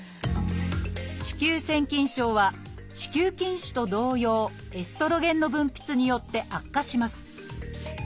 子宮腺筋症は子宮筋腫と同様エストロゲンの分泌によって悪化します